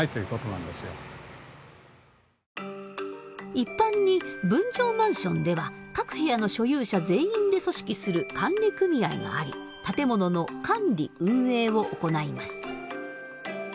一般に分譲マンションでは各部屋の所有者全員で組織する管理組合があり建物の管理運営を行います。